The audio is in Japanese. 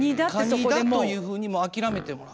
蟹だというふうにもう諦めてもらう。